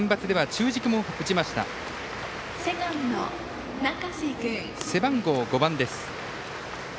中瀬、背番号５番です。